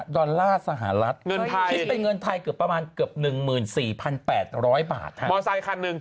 ดอลลาร์สหรัฐเงินไทยคิดเป็นเงินไทยเกือบประมาณเกือบ๑๔๘๐๐บาทมอเซคันหนึ่ง